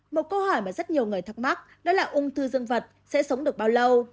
một câu hỏi mà rất nhiều người thắc mắc đó là ung thư dân vật sẽ sống được bao lâu